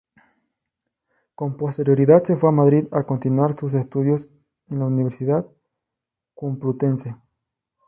Con posterioridad se fue a Madrid, a continuar sus estudios en la Universidad Complutense.